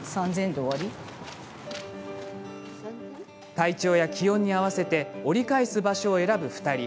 体調や気温に合わせて折り返す場所を選ぶ２人。